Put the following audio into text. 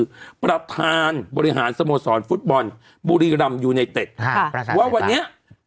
คือประธานบริหารสโมสรฟุตบอลบุรีรำยูไนเต็ดว่าวันนี้